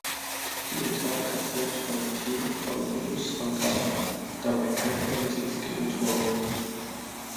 Spieltag kassierte das Team von Louis van Gaal dabei kein einziges Gegentor.